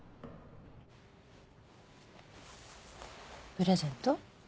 プレゼント？